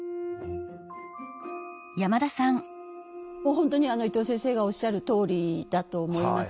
本当に伊藤先生がおっしゃるとおりだと思います。